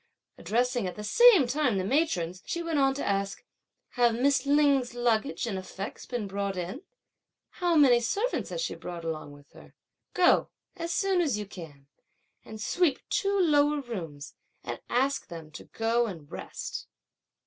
Addressing at the same time the matrons, she went on to ask, "Have Miss Lin's luggage and effects been brought in? How many servants has she brought along with her? Go, as soon as you can, and sweep two lower rooms and ask them to go and rest."